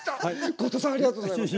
後藤さんありがとうございます。